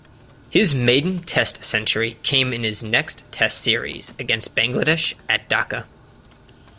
His maiden Test century came in his next Test series against Bangladesh at Dhaka.